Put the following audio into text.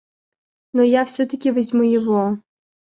Но я всё-таки возьму его.